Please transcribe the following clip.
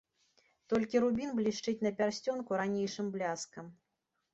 Толькі рубін блішчыць на пярсцёнку ранейшым бляскам.